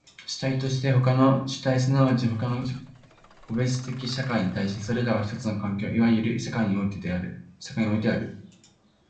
主体として他の主体即ち他の個別的社会に対し、それらは一つの環境、いわゆる世界においてある。